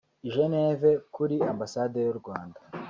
i Geneve kuri Ambassade y’u Rwanda